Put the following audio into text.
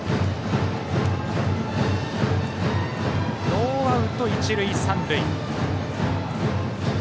ノーアウト、一塁三塁。